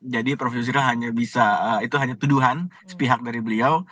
jadi prof yusril hanya bisa itu hanya tuduhan sepihak dari beliau